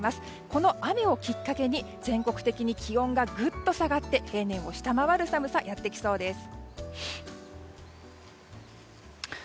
この雨をきっかけに全国的に気温がぐっと下がって平年を下回る寒さがやってきそうです。